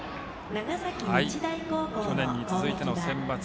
去年に続いてのセンバツ。